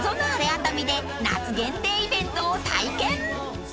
熱海で夏限定イベントを体験］